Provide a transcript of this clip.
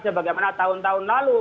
sebagaimana tahun tahun lalu